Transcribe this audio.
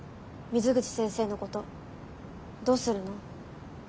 水口先生のことどうするの？